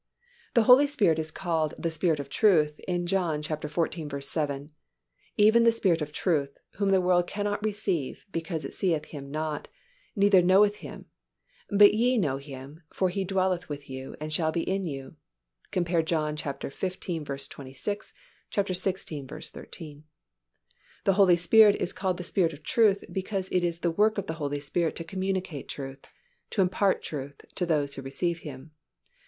_ The Holy Spirit is called the Spirit of truth in John xiv. 17, "Even the Spirit of truth; whom the world cannot receive, because it seeth Him not, neither knoweth Him; but ye know Him; for He dwelleth with you, and shall be in you" (cf. John xv. 26; xvi. 13). The Holy Spirit is called the Spirit of truth because it is the work of the Holy Spirit to communicate truth, to impart truth, to those who receive Him.